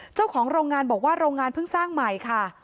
เจ้าของโรงงานบอกว่าโรงงานเพิ่งสร้างใหม่ค่ะ